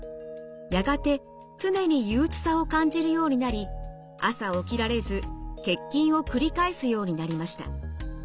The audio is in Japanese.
やがて常に憂うつさを感じるようになり朝起きられず欠勤を繰り返すようになりました。